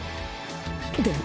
でも